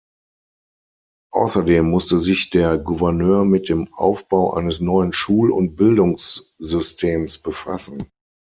Außerdem musste sich der Gouverneur mit dem Aufbau eines neuen Schul- und Bildungssystems befassen.